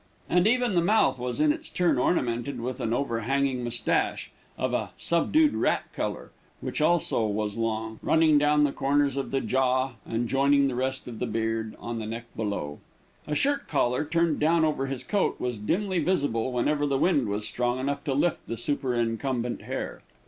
And even the mouth was in its turn ornamented with an overhanging moustache, of a subdued rat color, which also was long, running down the corners of the jaw, and joining the rest of the beard on the neck below. A shirt collar, turned down over his coat, was dimly visible whenever the wind was strong enough to lift the superincumbent hair.